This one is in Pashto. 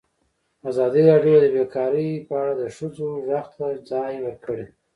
ازادي راډیو د بیکاري په اړه د ښځو غږ ته ځای ورکړی.